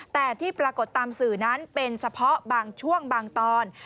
แต่ที่ปรากฏตามสื่อนั้นเป็นเฉพาะบางช่วงบางตอน